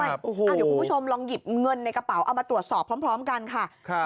เดี๋ยวคุณผู้ชมลองหยิบเงินในกระเป๋าเอามาตรวจสอบพร้อมกันค่ะ